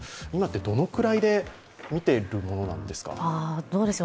どのくらいで見ているものなんですか。